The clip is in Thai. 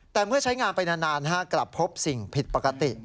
แต่เมื่อใช้งานไปนานกลับพบสิ่งผิดปกติ